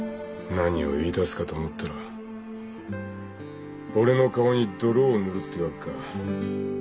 何を言いだすかと思ったら俺の顔に泥を塗るってわけか。